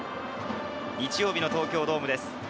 日曜日の東京ドームです。